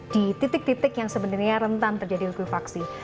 di titik titik yang sebenarnya rentan terjadi likuifaksi